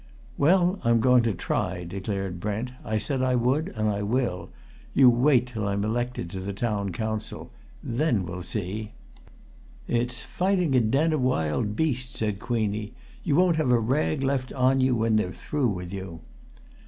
"Well, I'm going to try," declared Brent. "I said I would, and I will! You wait till I'm elected to that Town Council! Then we'll see." "It's fighting a den of wild beasts," said Queenie. "You won't have a rag left on you when they're through with you."